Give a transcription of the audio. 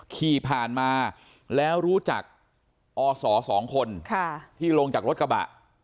ขี่ผ่านมาแล้วรู้จักอศ๒คนที่ลงจากรถกระบะ